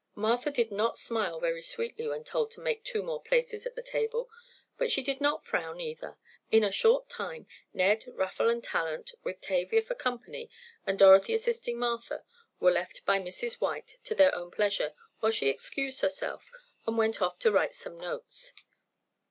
Martha did not smile very sweetly when told to make two more places at the table, but she did not frown either. In a short time Ned, Raffle and Talent, with Tavia for company, and Dorothy assisting Martha, were left by Mrs. White to their own pleasure, while she excused herself and went off to write some notes.